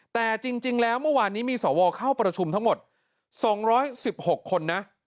แต่จริงแล้วเมื่อวานนี้มีสวเข้าประชุมทั้งหมด๒๑๖คนนะ